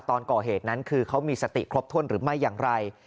ตอนก่อเหตุนั้นคือเขามีสติครบถ้วนหรือไม่อย่างไร